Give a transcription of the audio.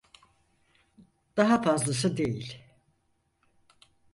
Daha fazlası değil.